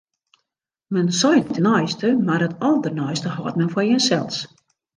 Men seit it neiste, mar it alderneiste hâldt men foar jinsels.